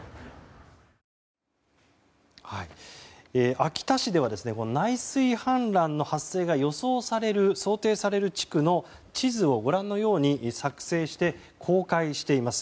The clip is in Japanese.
秋田市では内水氾濫の発生が想定される地区の地図をご覧のように作成して公開しています。